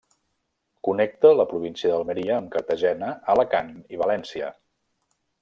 Connecta la província d'Almeria amb Cartagena, Alacant i València.